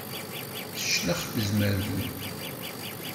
Teclex tezmert-im.